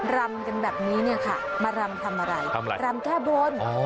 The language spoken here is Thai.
รำกันแบบนี้เนี่ยค่ะมารำทำอะไรทำอะไรรำแก้บน